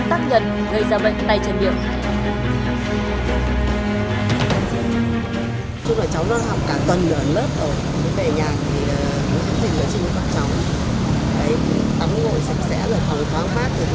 gây ra bệnh tay chân miệng